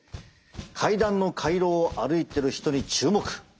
階段の回廊を歩いてる人に注目。